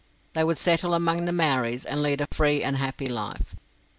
They would settle among the Maoris, and lead a free and happy life.